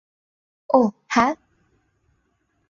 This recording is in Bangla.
ওহ, হ্যাঁ?